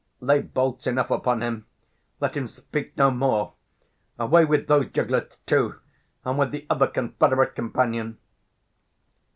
lay bolts enough upon him: let him speak no more. Away with those giglets too, and with the other 345 confederate companion!